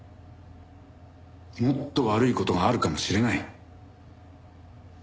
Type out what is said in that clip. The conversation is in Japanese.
もっと悪い事があるかもしれない。